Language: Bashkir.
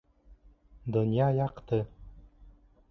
Донъя яҡты